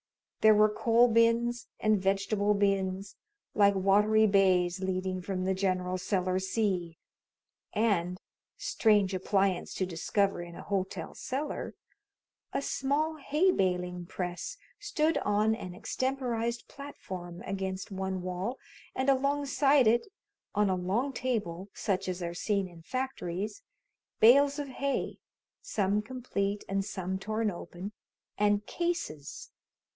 There were coal bins and vegetable bins, like watery bays leading from the general cellar sea, and strange appliance to discover in a hotel cellar a small hay baling press stood on an extemporized platform against one wall, and alongside it, on a long table, such as are seen in factories, bales of hay, some complete and some torn open and cases!